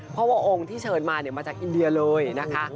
เพราะว่าองค์ที่เชิญมามาจากอินเดียเลยนะคะ